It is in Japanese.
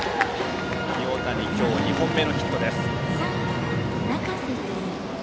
清谷、今日２本目のヒットです。